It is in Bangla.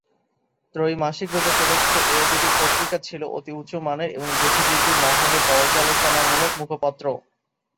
ত্রৈমাসিকরূপে প্রকাশিত এ দুটি পত্রিকা ছিল অতি উঁচুমানের এবং বুদ্ধিজীবী মহলের পর্যালোচনামূলক মুখপত্র।